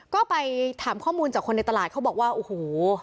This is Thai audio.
ก็ไปถามข้อมูลจากคนในตลาดเขาบอกว่าโอ้โห